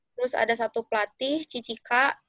terus ada satu pelatih cici kak